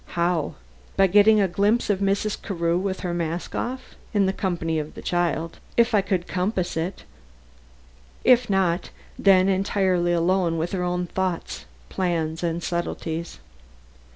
How? By getting a glimpse of Mrs. Carew with her mask off; in the company of the child, if I could compass it; if not, then entirely alone with her own thoughts, plans and subtleties.